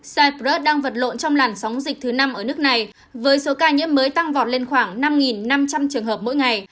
cyprus đang vật lộn trong làn sóng dịch thứ năm ở nước này với số ca nhiễm mới tăng vọt lên khoảng năm năm trăm linh trường hợp mỗi ngày